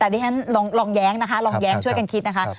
ลองแย้งนะคะลองแย้งช่วยกันคิดนะคะ